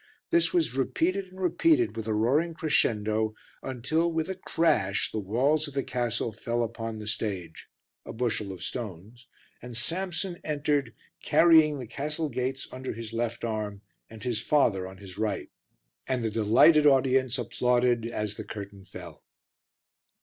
This was repeated and repeated with a roaring crescendo until, with a crash, the walls of the castle fell upon the stage a bushel of stones and Samson entered carrying the castle gates under his left arm and his father on his right, and the delighted audience applauded as the curtain fell.